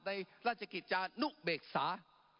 ในราชกิจจานุเบกษา